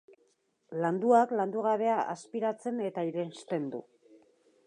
Landuak landugabea azpiratzen eta irensten du.